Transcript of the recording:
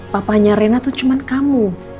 papanya rena tuh cuman kamu